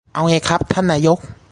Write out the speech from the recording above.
เอาไงครับท่านนายก